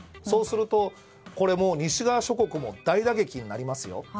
そうすると、西側諸国も大打撃になりますよ。